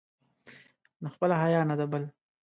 نه خپله حیا، نه د بل.